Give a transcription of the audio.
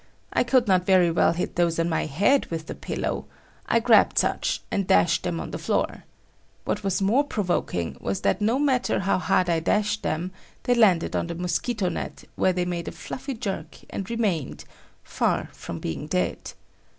I could not very well hit those on my head with the pillow; I grabbed such, and dashed them on the floor. What was more provoking was that no matter how hard I dashed them, they landed on the mosquito net where they made a fluffy jerk and remained, far from being dead.